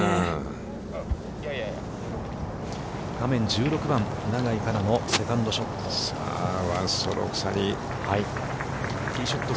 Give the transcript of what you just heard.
画面、１６番、永井花奈のセカンドショット。